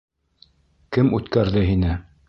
Кем үткәрҙе һине?